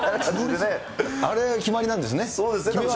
あれが決まりなんですね。